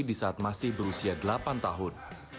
di saat masih berusia delapan tahun